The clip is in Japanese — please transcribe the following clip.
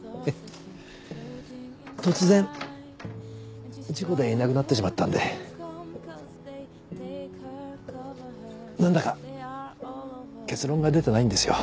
突然事故でいなくなってしまったんで何だか結論が出てないんですよ。